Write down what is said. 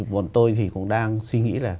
bọn tôi thì cũng đang suy nghĩ là